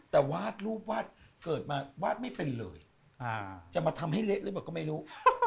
แต่วาดรูปวาดเกิดมาวาดไม่เป็นเลยจะมาทำให้เละหรือเปล่าก็ไม่รู้